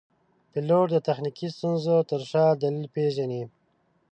پیلوټ د تخنیکي ستونزو تر شا دلیل پېژني.